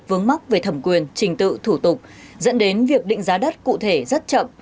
vướng mắc về thẩm quyền trình tự thủ tục dẫn đến việc định giá đất cụ thể rất chậm